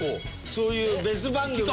そういう別番組の。